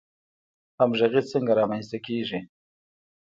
همغږي څنګه رامنځته کیږي؟